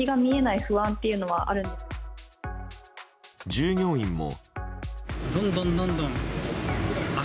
従業員も。